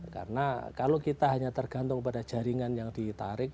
karena kalau kita hanya tergantung pada jaringan yang ditarik